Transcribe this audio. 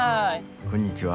こんにちは。